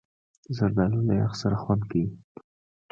زردالو له یخ سره خوند کوي.